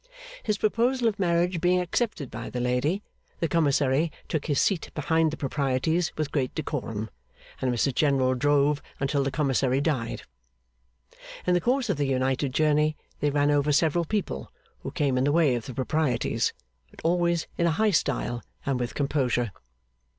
His proposal of marriage being accepted by the lady, the commissary took his seat behind the proprieties with great decorum, and Mrs General drove until the commissary died. In the course of their united journey, they ran over several people who came in the way of the proprieties; but always in a high style and with composure.